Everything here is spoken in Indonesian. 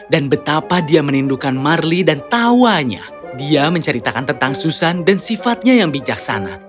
dan betapa dia menindukan marley dan tawanya dia menceritakan tentang susan dan sifatnya yang bijaksana